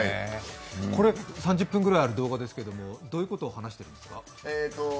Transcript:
３０分ぐらいある動画ですけどどういうことを話しているんですか？